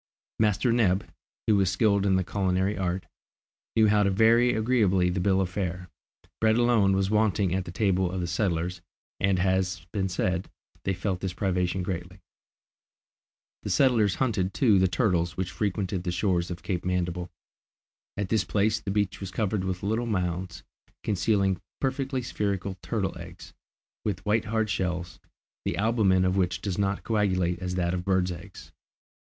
Master Neb, who was skilled in the culinary art, knew how to vary agreeably the bill of fare. Bread alone was wanting at the table of the settlers, and as has been said, they felt this privation greatly. The settlers hunted too the turtles which frequented the shores of Cape Mandible. At this place the beach was covered with little mounds, concealing perfectly spherical turtles' eggs, with white hard shells, the albumen of which does not coagulate as that of birds' eggs.